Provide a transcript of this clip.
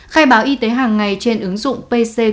khai báo y tế hàng ngày trên ứng dụng pc